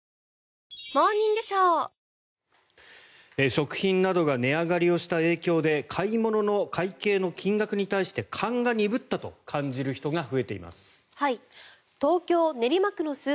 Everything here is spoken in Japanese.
食品などが値上がりをした影響で買い物の会計の金額に対して勘が鈍ったと感じる人が増えています。